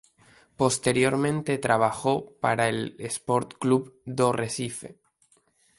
Posteriormente trabajó para el Sport Club do Recife.